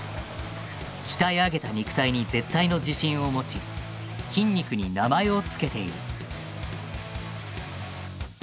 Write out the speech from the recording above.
鍛え上げた肉体に絶対の自信を持ち筋肉に名前を付けている。